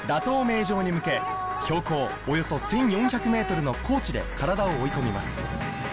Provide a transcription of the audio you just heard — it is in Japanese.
名城に向け標高およそ１４００ｍの高地で体を追い込みます